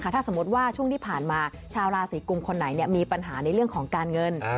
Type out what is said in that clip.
ถ้าสมมติว่าช่วงที่ผ่านมาชาวราศีกุมคนไหนมีปัญหาในเรื่องของการเงิน